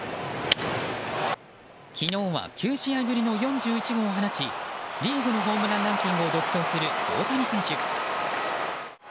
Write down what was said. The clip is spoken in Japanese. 昨日は９試合ぶりの４１号を放ちリーグのホームランランキングを独走する大谷選手。